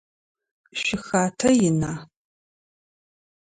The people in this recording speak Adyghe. Шъуихатэ ина?